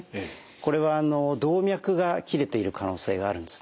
これは動脈が切れている可能性があるんですね。